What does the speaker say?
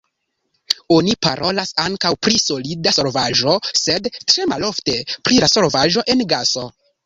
Oni parolas ankaŭ pri solida solvaĵo, sed tre malofte pri solvaĵo en gaso.